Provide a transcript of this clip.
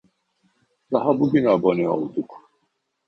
Daha bugün abone olduk